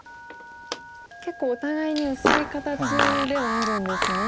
結構お互いに薄い形ではあるんですね。